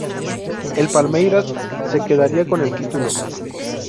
El Palmeiras se quedaría con el título.